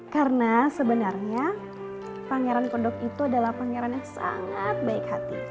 karena sebenarnya pangeran kondok itu adalah pangeran yang sangat baik hati